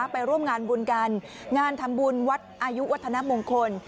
ไปร่วมงานบุญกันงานทำบุญวัดอายุวัฒนมงคล